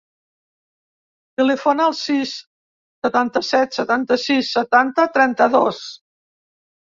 Telefona al sis, setanta-set, setanta-sis, setanta, trenta-dos.